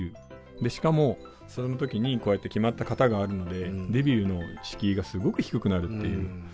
でしかもその時にこうやって決まった型があるのでデビューの敷居がすごく低くなるっていう。